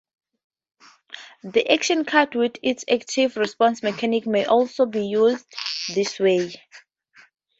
The Action Card with its Active Response mechanic may also be used this way.